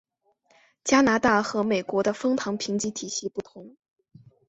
加拿大和美国的枫糖评级体系不同。